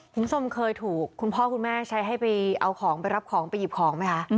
คุณผู้ชมเคยถูกคุณพ่อคุณแม่ใช้ให้ไปเอาของไปรับของไปหยิบของไหมคะ